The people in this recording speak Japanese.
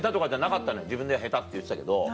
自分では下手って言ってたけど。